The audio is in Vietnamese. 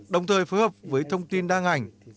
đồng thời phối hợp với thông tin đa ngành